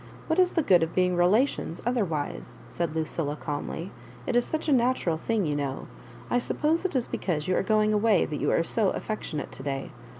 What is the good of being relations otherwise ?" said Lucilla, calmly ;" it is such a natural thing, you know. I sup pose it is because you are going away that you are so affectionate to day.